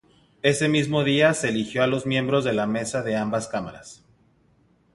Ese mismo día se eligió a los miembros de la Mesa de ambas Cámaras.